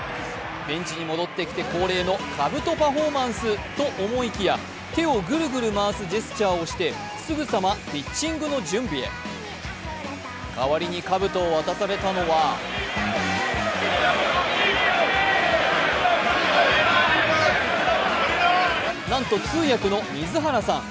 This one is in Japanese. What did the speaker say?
ベンチに戻ってきて恒例のかぶとパフォーマンスかと思いきや、手をぐるぐる回すジェスチャーをして、すぐさまピッチングの準備へ代わりにかぶとを渡されたのはなんと通訳の水原さん。